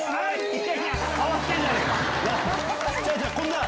変わってんじゃねえか！